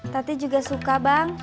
tati juga suka bang